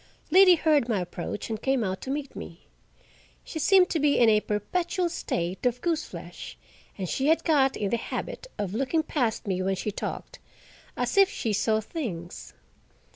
Liddy heard my approach and came out to meet me. She seemed to be in a perpetual state of goose flesh, and she had got in the habit of looking past me when she talked, as if she saw things.